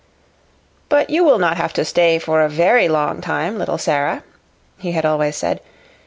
"But you will not have to stay for a very long time, little Sara," he had always said.